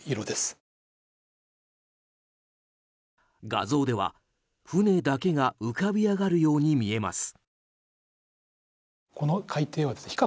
画像では船だけが浮かび上がるように見えます。